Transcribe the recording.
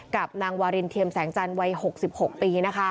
กับนางวารินเทียมแสงจันทร์วัย๖๖ปี